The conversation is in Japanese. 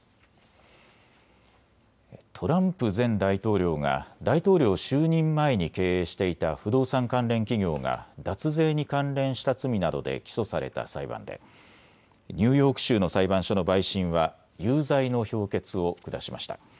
トランプ前大統領が大統領就任前に経営していた不動産関連企業が脱税に関連した罪などで起訴された裁判でニューヨーク州の裁判所の陪審は有罪の評決を下しました。